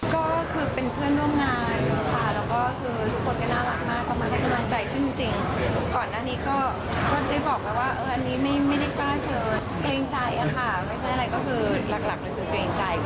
ก็คือเป็นเพื่อนร่วมนายนะคะแล้วก็คือทุกคนก็น่ารักมาก